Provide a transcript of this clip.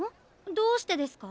どうしてですか？